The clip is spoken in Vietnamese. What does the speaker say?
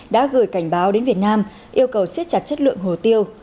đã gửi cảnh báo đến việt nam yêu cầu siết chặt chất lượng hồ tiêu